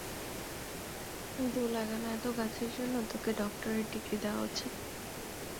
তোর লাগানো এতো গাছের জন্য, তোকে ডক্টরেট ডিগ্রি দেওয়া উচিৎ।